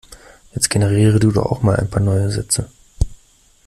Jetzt generiere du doch auch mal ein paar neue Sätze.